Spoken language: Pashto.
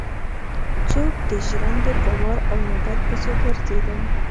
څوک د ژرندې په وار او نوبت پسې ګرځېدل.